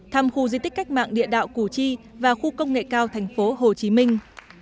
thăm khu di tích cách mạng địa đạo củ chi và khu công nghệ cao thành phố hồ chí minh